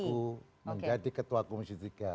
ditugaskan oleh aku menjadi ketua komisi tiga